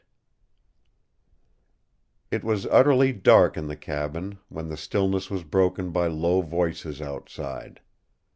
VIII It was utterly dark in the cabin, when the stillness was broken by low voices outside.